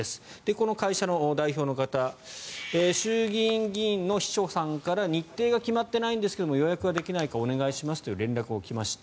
この会社の代表の方衆議院議員の秘書さんから日程が決まっていないんですが予約ができないかお願いしますという連絡が来ました。